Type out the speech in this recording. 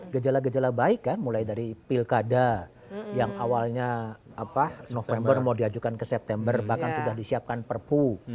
gejala gejala baik kan mulai dari pilkada yang awalnya november mau diajukan ke september bahkan sudah disiapkan perpu